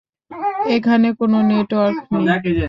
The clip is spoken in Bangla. এখানে কোনো নেটওয়ার্ক নেই।